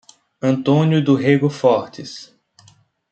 Antônio do Rego Fortes